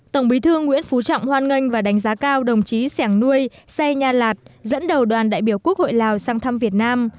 tổng bí thư nguyễn phú trọng hoan nghênh và đánh giá cao đồng chí xẻng nuôi sai nha lạt dẫn đầu đoàn đại biểu quốc hội lào sang thăm việt nam